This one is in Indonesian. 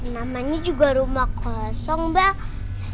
namanya juga rumah kosong mbak